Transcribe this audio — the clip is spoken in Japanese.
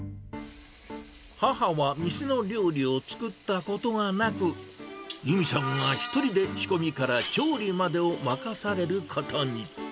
母は店の料理を作ったことがなく、由美さんは一人で仕込みから調理までを任されることに。